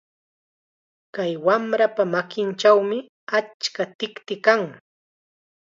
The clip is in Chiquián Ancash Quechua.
Kay wamrapa makinchawmi achka tikti kan.